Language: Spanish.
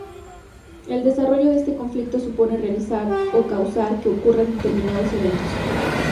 El desarrollo de este conflicto supone realizar, o causar que ocurran determinados eventos.